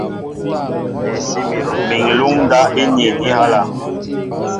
Mi ŋ̀luŋ ndáp íniin á ihálɛ̄.